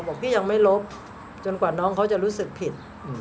บอกพี่ยังไม่ลบจนกว่าน้องเขาจะรู้สึกผิด